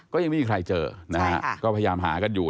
ก็ยังมีใครเจอพยายามหาข้างอยู่